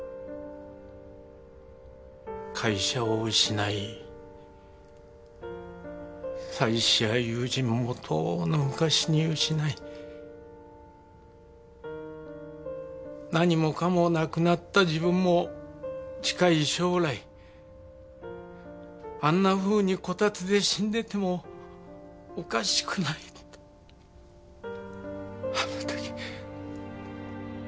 会社を失い妻子や友人もとうの昔に失い何もかもなくなった自分も近い将来あんなふうにこたつで死んでてもおかしくないんだとあの時。